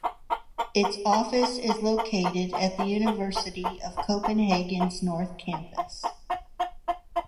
Its office is located at the University of Copenhagen's North Campus.